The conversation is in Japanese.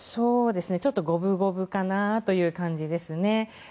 五分五分かなという感じですね。